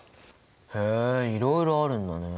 へえいろいろあるんだね。